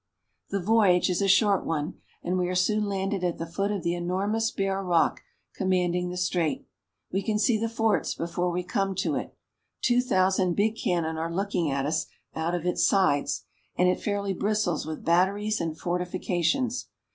The voyage is a short one, and we are soon landed at the foot of the enormous bare rock commanding the strait. We can see the forts before we come to it. Two thousand big cannon are looking at us out of its sides, and it fairly bristles with batteries and fortifications.